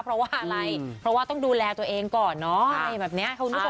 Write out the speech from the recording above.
เพราะว่าอะไรเพราะว่าต้องดูแลตัวเองก่อนเนอะอะไรแบบนี้คุณผู้ชม